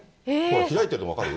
開いてるの分かる？